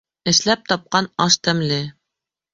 Эшләп тапҡан аш тәмле.